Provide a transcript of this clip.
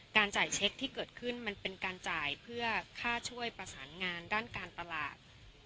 จ่ายเช็คที่เกิดขึ้นมันเป็นการจ่ายเพื่อค่าช่วยประสานงานด้านการตลาด